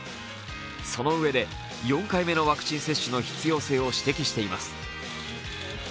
そのうえで４回目のワクチン接種の必要性を指摘しています。